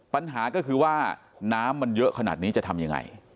ปัญหาก็คือว่าน้ำมันเยอะขนาดนี้จะทำยังไง